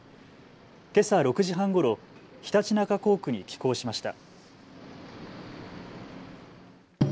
けさ６時半ごろ、常陸那珂港区に寄港しました。